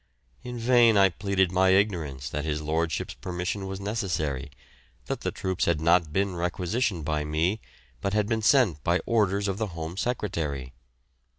In vain I pleaded my ignorance that his Lordship's permission was necessary, that the troops had not been requisitioned by me, but had been sent by orders of the Home Secretary.